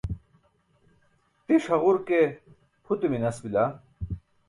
tiṣ haġur ke pute minas bila